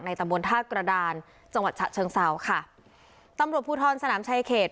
ตำบลท่ากระดานจังหวัดฉะเชิงเซาค่ะตำรวจภูทรสนามชายเขต